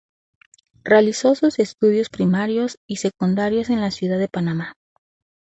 Realizó sus estudios primarios y secundarios en la ciudad de Panamá.